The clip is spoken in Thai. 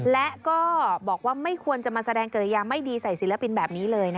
และก็บอกว่าไม่ควรจะมาแสดงกริยาไม่ดีใส่ศิลปินแบบนี้เลย